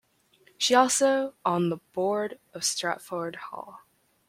She also on the board of Stratford Hall.